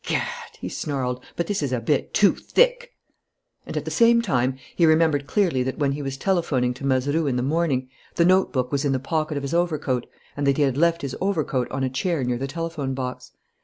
"Gad," he snarled, "but this is a bit too thick!" And, at the same time, he remembered clearly that, when he was telephoning to Mazeroux in the morning, the notebook was in the pocket of his overcoat and that he had left his overcoat on a chair near the telephone box.